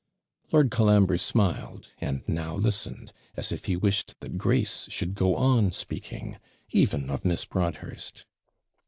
Lord Colambre smiled, and now listened, as if he wished that Grace should go on speaking, even of Miss Broadhurst.